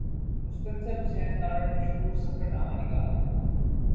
مستنصر حسین تارڑ مشہور سفرنامہ نگار ہیں۔